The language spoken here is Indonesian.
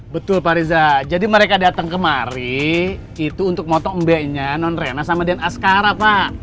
betul pak riza jadi mereka datang kemari itu untuk motong embeknya nonrena sama den askara pak